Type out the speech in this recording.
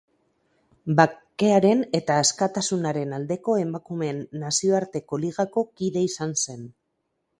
Bakearen eta askatasunaren aldeko emakumeen nazioarteko ligako kide izan zen.